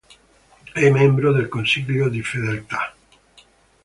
È membro del Consiglio di Fedeltà.